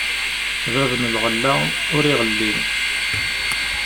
Bab n lɣella, ur iɣelli.